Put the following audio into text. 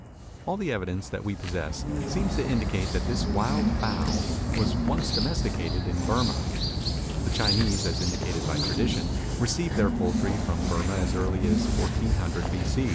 All the evidence that we possess seems to indicate that this wild fowl was first domesticated in Burmah. The Chinese, as indicated by tradition, received their poultry from Burmah as early as 1400 B.